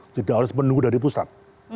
tidak harus menunggu dari pusat